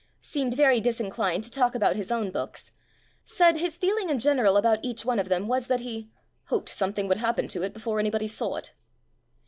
Seemed very disinclined to talk about his own books. Said his feeling in general about each one of them was that he "hoped something would hap pen to it before anybody saw it".